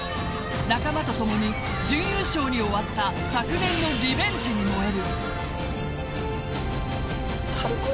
仲間とともに準優勝に終わった昨年のリベンジに燃える。